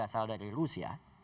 dia berasal dari rusia